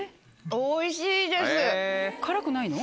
おいしいです。